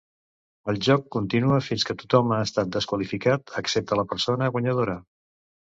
El joc continua fins que tothom ha estat desqualificat, excepte la persona guanyadora.